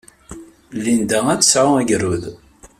Linda ad d-tesɛu agrud.